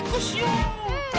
うん！